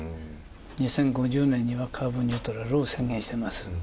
２０５０年にはカーボンニュートラルを宣言してます。